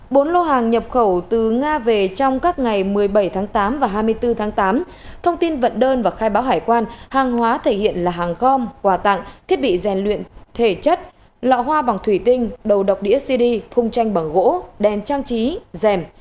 bốn lô hàng nhập khẩu từ nga về trong các ngày một mươi bảy tháng tám và hai mươi bốn tháng tám thông tin vận đơn và khai báo hải quan hàng hóa thể hiện là hàng gom quà tặng thiết bị rèn luyện thể chất lọ hoa bằng thủy tinh đầu độc đĩa cd thung tranh bằng gỗ đèn trang trí dèm